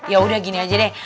yaudah gini aja deh